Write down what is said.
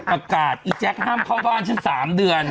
อากาศแจ๊กห้ามเข้าบ้านเจ้า๓เดือน